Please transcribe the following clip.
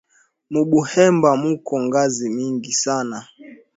Mubuhemba muko ngazi mingi sana